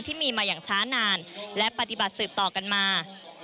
ที่มีมาอย่างช้านานและปฏิบัติสืบต่อกันมา